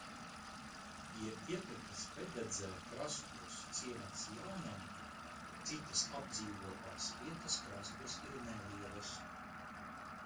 Pie ietekas Pededzē krastos ciemats Jaunanna, citas apdzīvotās vietas krastos ir nelielas.